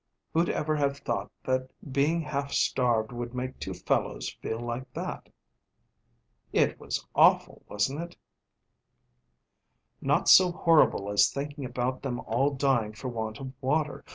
"Who'd ever have thought that being half starved would make two fellows feel like that?" "It was awful, wasn't it?" "Not so horrible as thinking about them all dying for want of water.